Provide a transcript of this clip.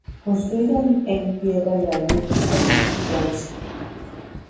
Construido en en piedra granítica y bronce.